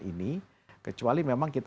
ini kecuali memang kita